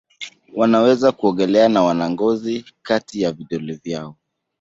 Wanaweza kuogelea na wana ngozi kati ya vidole vyao.